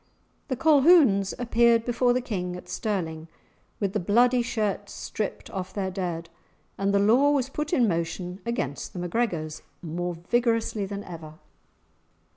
The Colquhouns appeared before the King at Stirling with the bloody shirts stripped off their dead, and the law was put in motion against the MacGregors more vigorously than ever.